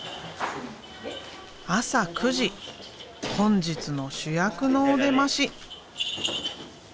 朝９時本日の主役のお出まし。